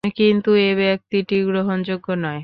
কিন্তু এ ব্যক্তিটি গ্রহণযোগ্য নয়।